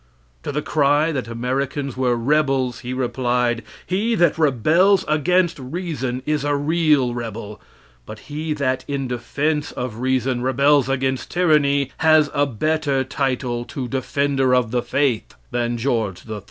To the cry that Americans were rebels, he replied: "He that rebels against reason is a real rebel; but he that in defense of reason rebels against tyranny, has a better title to 'Defender of the Faith' than George III."